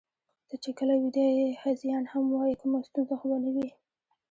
ته چې کله ویده یې، هذیان هم وایې، کومه ستونزه خو به نه وي؟